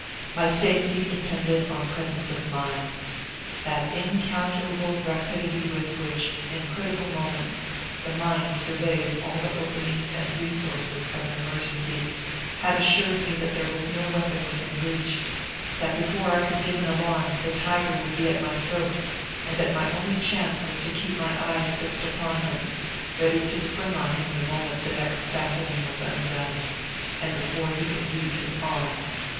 My safety depended on presence of mind. That incalculable rapidity with which, in critical moments, the mind surveys all the openings and resources of an emergency, had assured me that there was no weapon within reach that before I could give an alarm the tiger would be at my throat, and that my only chance was to keep my eyes fixed upon him, ready to spring on him the moment the next fastening was undone, and before he could use his arm.